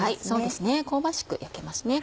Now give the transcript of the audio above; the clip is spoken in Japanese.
そうですね香ばしく焼けます。